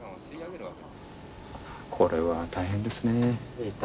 これは大変ですねぇ。